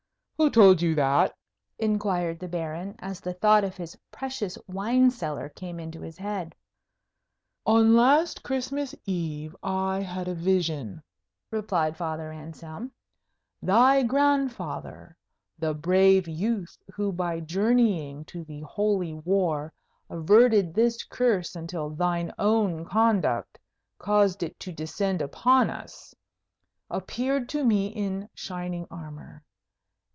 "Who told you that?" inquired the Baron, as the thought of his precious wine cellar came into his head. "On last Christmas Eve I had a vision," replied Father Anselm. "Thy grandfather, the brave youth who by journeying to the Holy War averted this curse until thine own conduct caused it to descend upon us, appeared to me in shining armour.